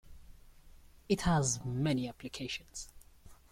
It has many applications.